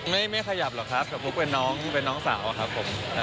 ไม่ขยับหรอกครับแต่บุ๊กเป็นน้องที่เป็นน้องสาวครับผม